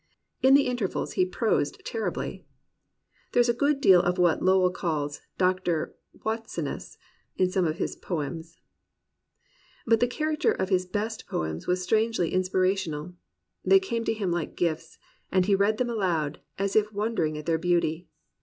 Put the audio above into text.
In the intervals he prosed ter ribly. There is a good deal of what Lowell calls "Dr. Wattsiness," in some of his poems. But the character of his best poems was strangely inspirational. They came to him like gifts, and he read them aloud as if wondering at their beauty.